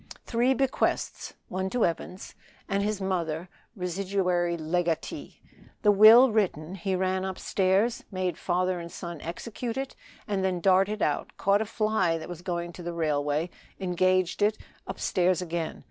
Three bequests (one to Evans), and his mother residuary legatee. The will written, he ran upstairs, made father and son execute it, and then darted out, caught a fly that was going to the railway, engaged it; upstairs again.